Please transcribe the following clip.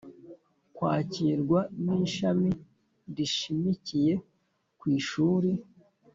kwakirwa n ishami rishamikiye ku ishuri